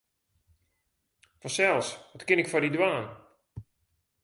Fansels, wat kin ik foar dy dwaan?